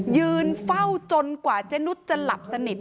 ยืนเฝ้าจนกว่าเจนุสจะหลับสนิท